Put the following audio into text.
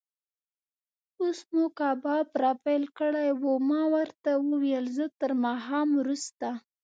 اوس مو کباب را پیل کړی و، ما ورته وویل: زه تر ماښام وروسته.